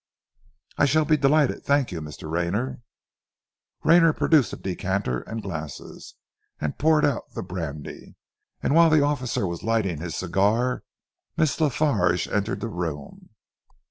"I shall be delighted, thank you, Mr. Rayner." Rayner produced a decanter and glasses, and poured out the brandy, and whilst the officer was lighting his cigar, Miss La Farge entered the room.